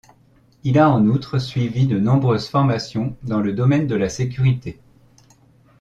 Il a en outre suivi de nombreuses formations dans le domaine de la sécurité.